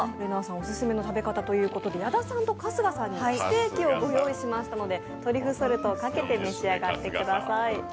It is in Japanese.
オススメの食べ方ということで矢田さんと春日さんにステーキをご用意しましたのでトリュフソルトをかけて召し上がってください。